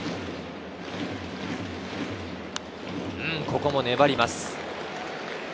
ここも粘ります。